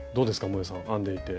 もえさん編んでいて。